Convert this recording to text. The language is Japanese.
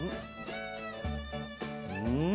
うん！